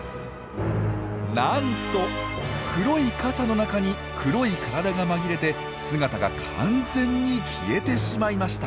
なんと黒い傘の中に黒い体が紛れて姿が完全に消えてしまいました！